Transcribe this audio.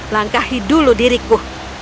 langkahi dulu diriku